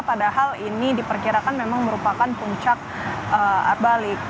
padahal ini diperkirakan memang merupakan puncak balik